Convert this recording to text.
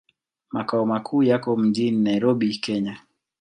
Makao makuu yako mjini Nairobi, Kenya.